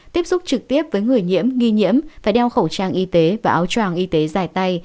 tiếp xúc trực tiếp với người nhiễm nghi nhiễm phải đeo khẩu trang y tế và áo tràng y tế dài tay